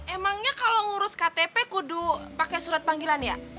emangnya kalo ngurus ktp kudu pake surat panggilan ya